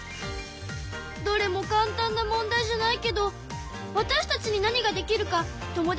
どれもかん単な問題じゃないけどわたしたちに何ができるか友達と話し合ってみるね。